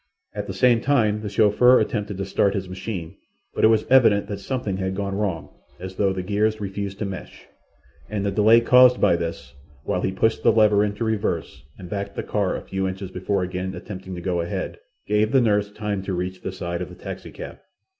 At the same time the chauffeur attempted to start his machine, but it was evident that something had gone wrong, as though the gears refused to mesh, and the delay caused by this, while he pushed the lever into reverse and backed the car a few inches before again attempting to go ahead, gave the nurse time to reach the side of the taxicab.